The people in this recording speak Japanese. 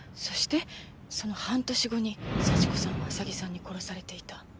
そしてその半年後に幸子さんは浅木さんに殺されていた。